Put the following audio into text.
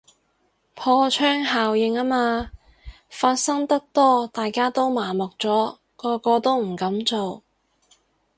破窗效應吖嘛，發生得多大家都麻木咗，個個都噉做